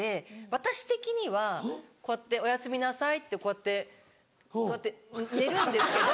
私的にはこうやっておやすみなさいってこうやってこうやって寝るんですけど。